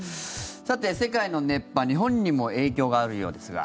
さて、世界の熱波日本にも影響があるようですが。